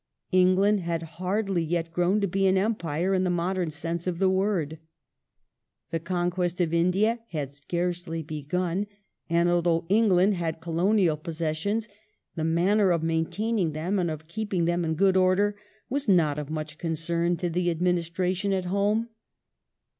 England had hardly yet grown to be an empire in the modern sense of the word. The conquest of India had scarcely begun, and although England had colonial possessions, the manner of maintaining them and of keeping them in good order was not of much concern to the administration at home.